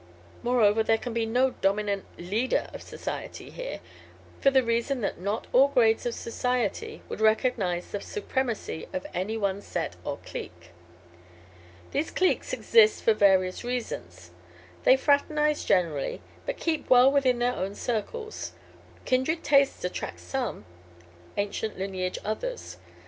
Moreover, there can be no dominant 'leader of society' here, for the reason that not all grades of society would recognize the supremacy of any one set, or clique. These cliques exist for various reasons. They fraternize generally, but keep well within their own circles. Kindred tastes attract some; ancient lineage others.